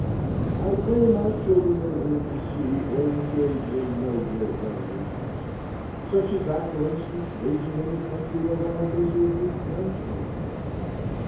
I pray my children may live to see or engage in no great revolutions, such as that, for instance, raging in the country of our miserable French neighbours.